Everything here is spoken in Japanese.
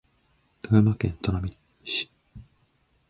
富山県砺波市